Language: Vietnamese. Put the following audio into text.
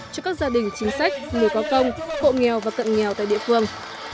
cho các gia đình chính sách người có công hộ nghèo và cận nghèo tại địa phương